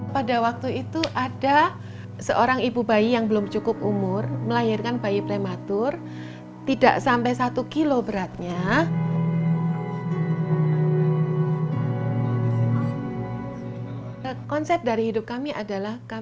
pada waktu itu ada seorang ibu bayi yang belum cukup umur melahirkan bayi prematur tidak sampai satu kilo beratnya